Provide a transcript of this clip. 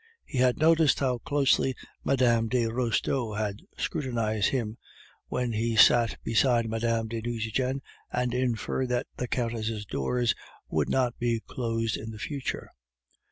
He had noticed how closely Mme. de Restaud had scrutinized him when he sat beside Mme. de Nucingen, and inferred that the Countess' doors would not be closed in the future.